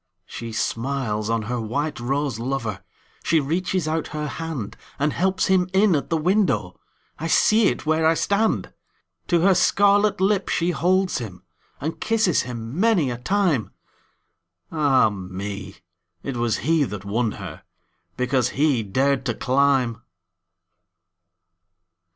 She smiles on her white rose lover, She reaches out her handAnd helps him in at the window—I see it where I stand! To her scarlet lip she holds him, And kisses him many a time—Ah, me! it was he that won herBecause he dared to climb!